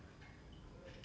tentang apa yang terjadi